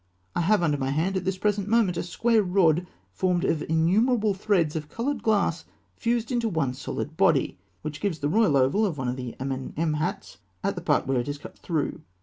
I have under my hand at this present moment a square rod formed of innumerable threads of coloured glass fused into one solid body, which gives the royal oval of one of the Amenemhats at the part where it is cut through.